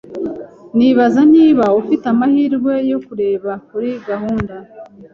Nibazaga niba ufite amahirwe yo kureba kuri gahunda.